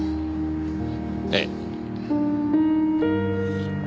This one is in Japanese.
ええ。